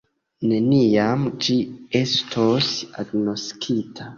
Neniam ĝi estos agnoskita.